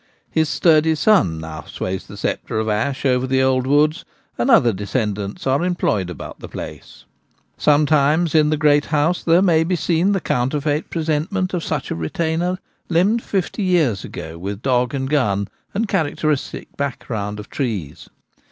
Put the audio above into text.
His sturdy son now sways the sceptre of ash over the old woods, and other descendants are employed about the place. V A Brave Woman. 39 Sometimes in the great house there may be seen the counterfeit presentment of such a retainer limned fifty years ago, with dog and gun, and characteristic background of trees.